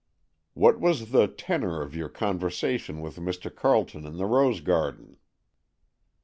"What was the tenor of your conversation with Mr. Carleton in the rose garden?"